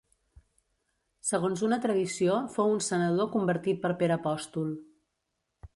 Segons una tradició fou un senador convertit per Pere apòstol.